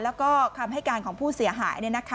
แล้วก็คำให้การของผู้เสียหาย